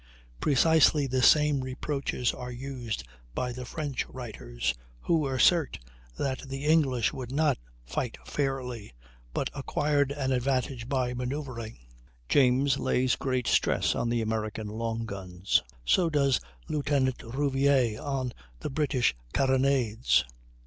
Precisely the same reproaches are used by the French writers, who assert that the English would not fight "fairly," but acquired an advantage by manoeuvring. James lays great stress on the American long guns; so does Lieutenant Rouvier on the British carronades.